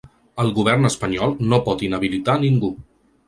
El govern espanyol no pot inhabilitar ningú.